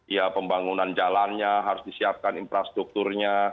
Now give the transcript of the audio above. ya pembangunan jalannya harus disiapkan infrastrukturnya